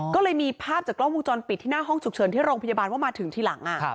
ก็เลยมีภาพจากกล้องวงจรปิดที่หน้าห้องฉุกเฉินที่โรงพยาบาลว่ามาถึงทีหลัง